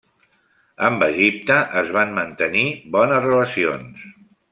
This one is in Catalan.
Amb Egipte es van mantenir bones relacions.